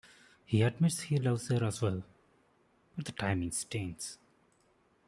He admits he loves her as well, but the timing stinks.